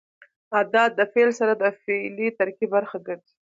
عدد د فعل سره د فعلي ترکیب برخه ګرځي.